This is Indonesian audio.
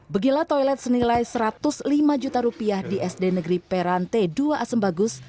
begila toilet senilai satu ratus lima juta rupiah di sd negeri perante dua asembagus